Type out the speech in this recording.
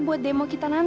buat demo kemampuan